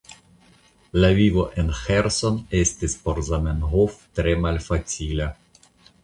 La vivo en Ĥerson estis por Zamenhof tre malfacila.